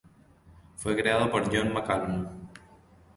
Fue creado por John McCallum.